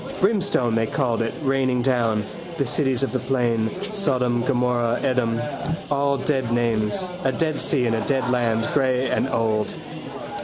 Brimstone they called it raining down: the cities of the plain: Sodom, Gomorrah, Edom. All dead names. A dead sea in a dead land, grey and old.